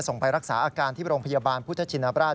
ไปรักษาอาการที่โรงพยาบาลพุทธชินบราช